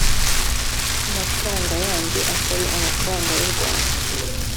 mafaranga yandi atari amafaranga y urwanda